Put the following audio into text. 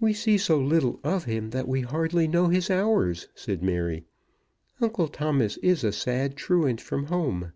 "We see so little of him that we hardly know his hours," said Mary. "Uncle Thomas is a sad truant from home."